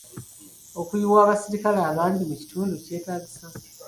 Okuyiwa abaserikale abangi mu kitundu kyetaagisa?